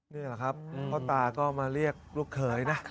นี่แหละครับพ่อตาก็มาเรียกลูกเขยนะ